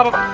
udah pak d